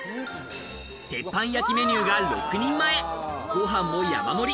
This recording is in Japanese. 鉄板焼きメニューが６人前、ご飯も山盛り。